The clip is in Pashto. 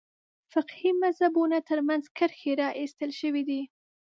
فقهي مذهبونو تر منځ کرښې راایستل شوې دي.